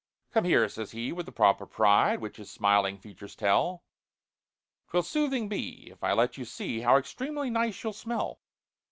"'Come here,' says he, with a proper pride, Which his smiling features tell, ''Twill soothing be if I let you see How extremely nice you'll smell.'